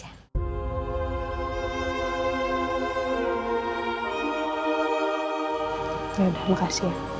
yaudah makasih ya